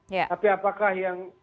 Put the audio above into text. tapi apakah yang salah